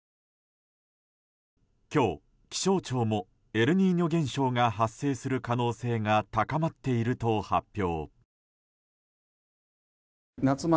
今日気象庁もエルニーニョ現象が発生する可能性が高まっていると発表。